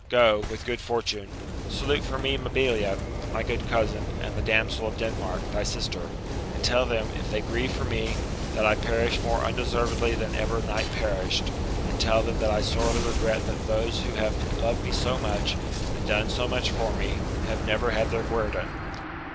Go, with good fortune ! Salute for me, Mabilia, my good cousin, and the damsel of Denmark, thy sister ; and tell them, if they grieve for me, that I perish more undeservedly than ever knight perished ; and tell them that I sorely regret that those who have loved me so much, and done so much for me, have never had their guerdon ?